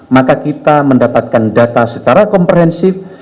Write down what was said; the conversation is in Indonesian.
maka kita mendapatkan data secara komprehensif